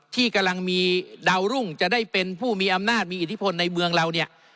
ที่กำลังมีดาวรุ่งจะได้เป็นผู้มีอำนาจมีอิทธิพลในเมืองเราเนี่ย